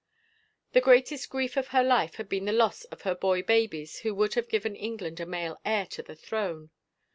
The greatest grief of her life had been the loss of her boy babies who would have given England a male heir to the throne.